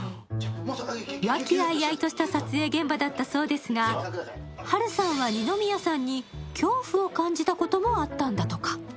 和気あいあいとした撮影現場だったそうですが、波瑠さんは二宮さんに、恐怖を感じたこともあったんだとか。